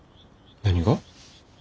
何が？